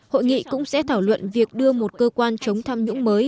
hội nghị cũng sẽ thảo luận việc đưa một cơ quan chống tham nhũng mới